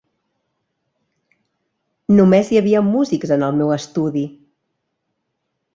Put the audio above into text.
Només hi havia músics en el meu estudi!